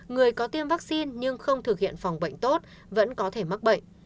người có tiêm vaccine nhưng không thực hiện phòng bệnh tốt vẫn có thể mắc bệnh